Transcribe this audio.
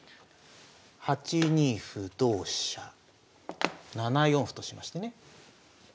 ８二歩同飛車７四歩としましてね。